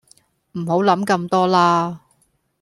唔好諗咁多啦